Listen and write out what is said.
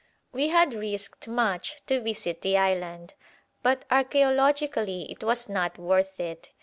We had risked much to visit the island; but archæologically it was not worth it.